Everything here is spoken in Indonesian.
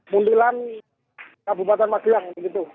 muntilan kabupaten madiang